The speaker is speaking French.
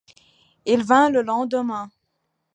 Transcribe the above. Il vint le lendemain.